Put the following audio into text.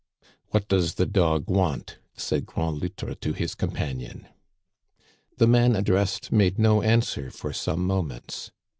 *' What does the dog want ?" said Grand Loutre to his companion. The man addressed made no answer for some mo ments.